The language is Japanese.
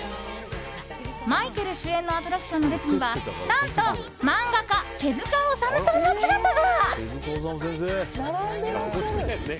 マイケル主演のアトラクションの列には何と漫画家・手塚治虫さんの姿が。